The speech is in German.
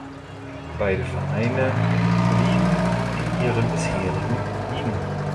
Beide Vereine blieben in ihren bisherigen Ligen.